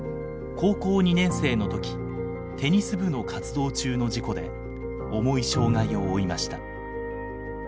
高校２年生の時テニス部の活動中の事故で重い障害を負いました。